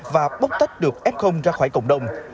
và bốc tách được f ra khỏi cộng đồng